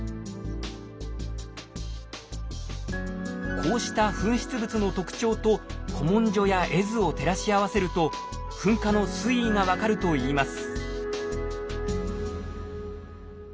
こうした噴出物の特徴と古文書や絵図を照らし合わせると噴火の推移が分かるといいます。